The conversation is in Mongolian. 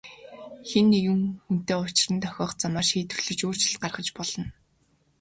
Хэн нэгэн хүнтэй учран тохиох замаар шийдвэрлэх өөрчлөлт гаргаж болно.